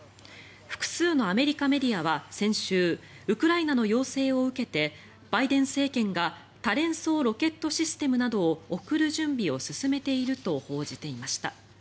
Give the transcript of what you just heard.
複数のアメリカメディアは先週ウクライナの要請を受けてバイデン政権が多連装ロケットシステムなどを送る準備を進めていると報じていました。